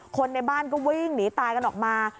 คนในบ้านก็วิ่งหนีตายกันออกมา